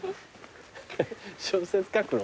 小説書くの？